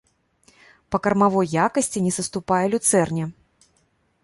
Па кармавой якасці не саступае люцэрне.